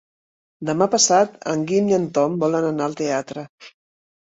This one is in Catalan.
Demà passat en Guim i en Tom volen anar al teatre.